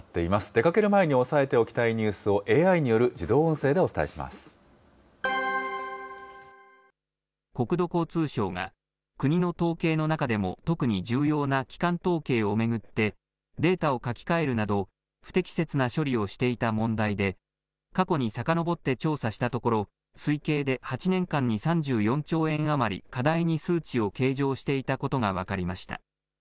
出かける前に押さえておきたいニュースをＡＩによる自動音声でお国土交通省が、国の統計の中でも特に重要な基幹統計を巡って、データを書き換えるなど、不適切な処理をしていた問題で、過去にさかのぼって調査したところ、推計で８年間に３４兆円余り、過大に数値を計上していたことが分かりました。